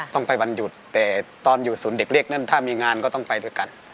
ต้องไปวันหยุดแต่ตอนอยู่ศูนย์เด็กเล็กนั้นถ้ามีงานก็ต้องไปด้วยกัน